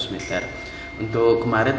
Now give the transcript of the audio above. lima ratus meter untuk kemarin